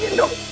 ya omin dong